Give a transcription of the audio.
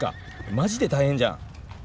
マジで大変じゃん。